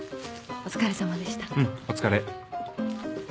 お疲れ。